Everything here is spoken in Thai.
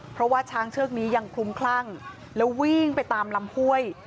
เพราะว่าช้างเชือกนี้ยังคลุ้มคลั่งแล้ววิ่งไปตามลำห้วย